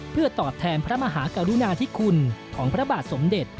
เพื่อตอบแทนพระมหากรุณาธิคุณของพระบาทสมเด็จ